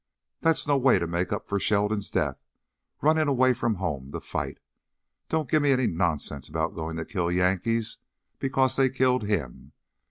"That's no way to make up for Sheldon's death runnin' away from home to fight. Don't give me any nonsense about goin' to kill Yankees because they killed him!